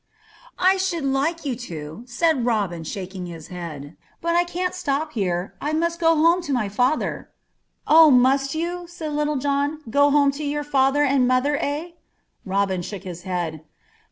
"I should like you to," said Robin, shaking his head; "but I can't stop here. I must go home to my father." "Oh! must you?" said Little John. "Go home to your father and mother, eh?" Robin shook his head.